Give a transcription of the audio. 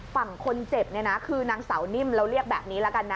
ฝั่งคนเจ็บเนี่ยนะคือนางสาวนิ่มเราเรียกแบบนี้ละกันนะ